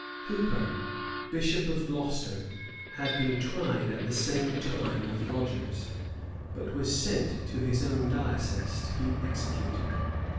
[*] Hooper, bishop of Glocester, had been tried at the same time with Rogers; but was sent to his own diocese to be executed.